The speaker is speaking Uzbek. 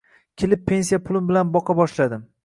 Kelib pensiya pulim bilan boqa boshladim